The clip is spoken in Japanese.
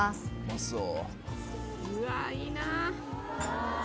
うわいいな。